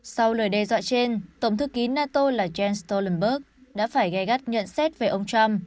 sau lời đe dọa trên tổng thư ký nato là jens stolenberg đã phải gai gắt nhận xét về ông trump